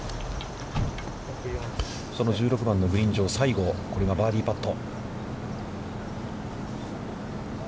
その１６番のグリーン上、西郷、これがバーディーパット。